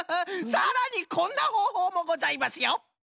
さらにこんなほうほうもございますよ。